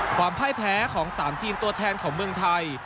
พ่ายแพ้ของ๓ทีมตัวแทนของเมืองไทย